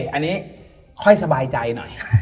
อันนี้ค่อยสบายใจหน่อย